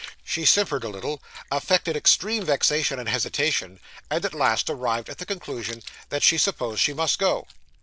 She simpered a little, affected extreme vexation and hesitation, and at last arrived at the conclusion that she supposed she must go.